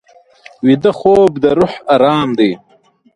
ویده خوب د روح ارام دی